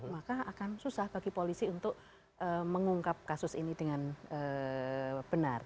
maka akan susah bagi polisi untuk mengungkap kasus ini dengan benar